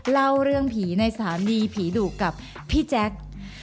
เล่าเรื่องผีในสถานีผีดุกับพี่แจ๊ค